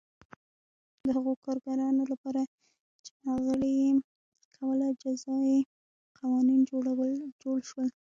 د هغو کارګرانو لپاره چې ناغېړي یې کوله جزايي قوانین جوړ شول